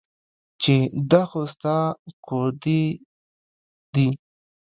چې دا خو ستا ګوتې دي